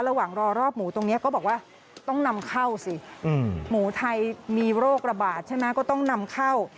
ระหว่างรอรอบหมูตรงนี้ก็บอกว่าต้องนำเข้าสิหมูไทยมีโรคระบาดใช่ไหมก็ต้องนำเข้า